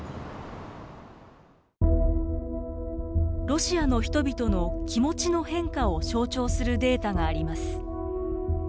ロシアの人々の気持ちの変化を象徴するデータがあります。